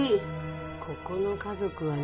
ここの家族はね